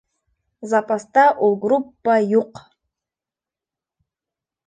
Запаста ул группа юҡ.